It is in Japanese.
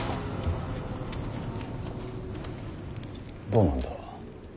どうなんだ。